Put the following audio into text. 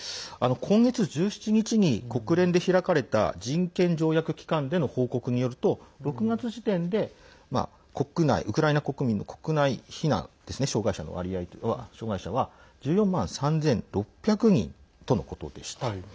今月１７日に国連で開かれた人権条約機関での報告によると６月時点でウクライナ国民の国内避難した障害者は１４万３６００人とのことでした。